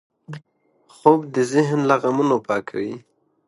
خوب د ذهن له غمونو پاکوي